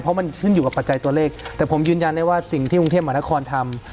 เพราะมันขึ้นอยู่กับปัจจัยตัวเลขแต่ผมยืนยันได้ว่าสิ่งที่กรุงเทพมหานครทำ